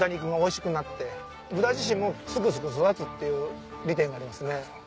豚自身もすくすく育つっていう利点がありますね。